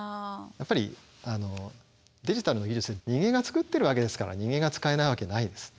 やっぱりデジタルの技術って人間が作ってるわけですから人間が使えないわけないです。